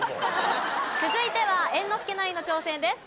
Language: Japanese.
続いては猿之助ナインの挑戦です。